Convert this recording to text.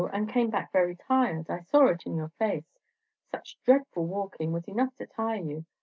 and came back tired. I saw it in your face. Such dreadful walking was enough to tire you.